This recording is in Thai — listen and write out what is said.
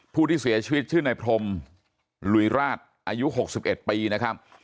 ผู้ที่เสียชีวิตชื่อนายพรมลุยราชอายุ๖๑ปีนะครับ